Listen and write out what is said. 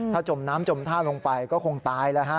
ถ้าจมน้ำจมท่าลงไปก็คงตายแล้วฮะ